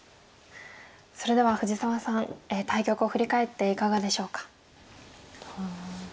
それでは藤沢さん対局を振り返っていかがでしょうか？